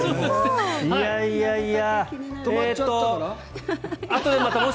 いやいやいや。